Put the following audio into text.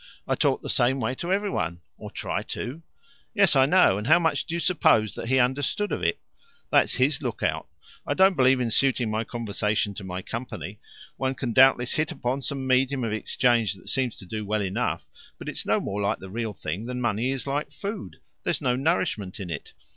I talk the same way to every one or try to." "Yes, I know. And how much do you suppose that he understood of it?" "That's his lookout. I don't believe in suiting my conversation to my company. One can doubtless hit upon some medium of exchange that seems to do well enough, but it's no more like the real thing than money is like food. There's no nourishment in it.